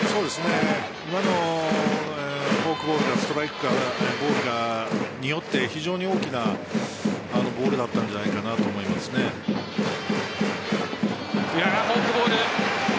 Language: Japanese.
今のフォークボールがストライクかボールかによって非常に大きなボールだったんじゃないかなとフォークボール。